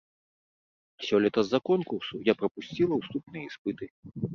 Сёлета з-за конкурсу я прапусціла уступныя іспыты.